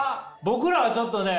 僕らはちょっとね